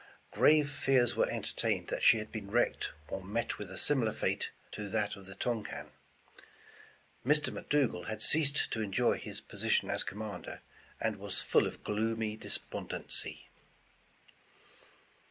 Grave fears 207 The Original John Jacob Astor were entertained that she had been wrecked or met with a similar fate to that of the Tonquin. Mr. McDougal had ceased to enjoy his position as commander, and was full of gloomy despondency.